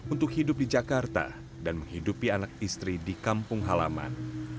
untuk hidup di jakarta dan menghidupi anak istri di kampung halaman